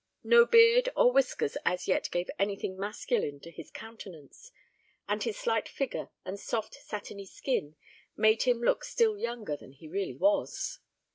No beard or whiskers as yet gave anything masculine to his countenance, and his slight figure and soft satiny skin made him look still younger than he really was.